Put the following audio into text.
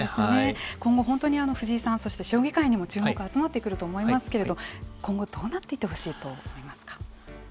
今後本当に藤井さんそして将棋界にも注目が集まってくると思いますけれど今後、どうなっていってほしいと思いますか。